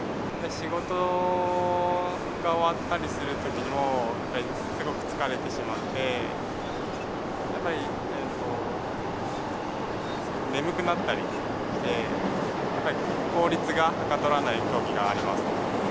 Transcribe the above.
仕事が終わったりするときにも、やっぱりすごく疲れてしまって、やっぱり、眠くなったりして、やっぱり効率がはかどらないときがあります。